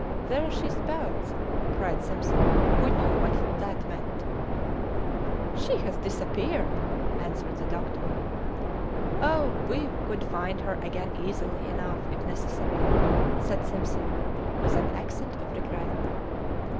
"There she spouts!" cried Simpson, who knew what that meant. "She has disappeared!" answered the doctor. "Oh, we could find her again easily enough if necessary!" said Simpson, with an accent of regret.